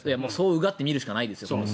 うがって見るしかないですよ。